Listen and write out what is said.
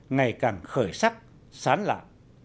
ngày càng khởi sắc sán lạc